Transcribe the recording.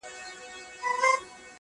زاغ نيولي ځالګۍ دي د بلبلو!!